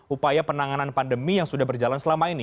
upaya penanganan pandemi yang sudah berjalan selama ini